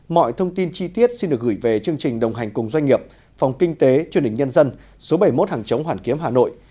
mọi thông tin chi tiết xin được gửi về chương trình đồng hành cùng doanh nghiệp phòng kinh tế truyền hình nhân dân số bảy mươi một hàng chống hoàn kiếm hà nội